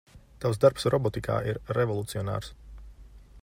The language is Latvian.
Tavs darbs robotikā ir revolucionārs.